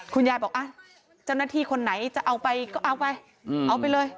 คุณยายบอกเจ้าหน้าที่คนไหนจะเอาไปก็เอาไปเอาไปเลย